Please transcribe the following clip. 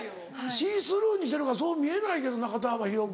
シースルーにしてるからそう見えないけどな肩幅広く。